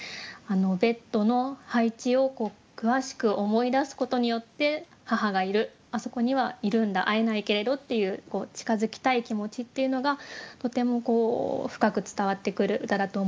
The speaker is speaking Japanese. ベッドの配置を詳しく思い出すことによって母がいるあそこにはいるんだ会えないけれどっていう近づきたい気持ちっていうのがとても深く伝わってくる歌だと思いました。